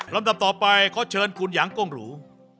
ลำดับต่อไปเขาเชิญคุณอย่างก้งหรู